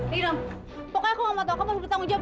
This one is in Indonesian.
rino pokoknya aku gak mau tau kamu harus bertanggung jawab